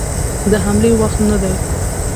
د حملې وخت نه دی.